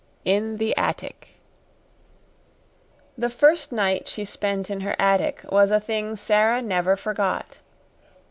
8 In the Attic The first night she spent in her attic was a thing Sara never forgot.